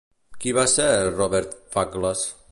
Qui va ser Robert Fagles?